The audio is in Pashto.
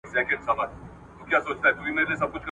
له سره لمر او له ګرمۍ به کړېدله !.